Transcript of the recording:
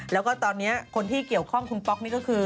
แล้วก็ตอนนี้คนที่เกี่ยวข้องคุณป๊อกนี่ก็คือ